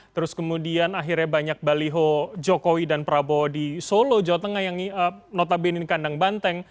terus kemudian akhirnya banyak baliho jokowi dan prabowo di solo jawa tengah yang notabene kandang banteng